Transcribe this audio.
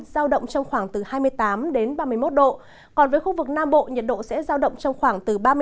giao động trong khoảng từ hai mươi tám ba mươi một độ còn với khu vực nam bộ nhiệt độ sẽ giao động trong khoảng từ ba mươi hai ba mươi ba độ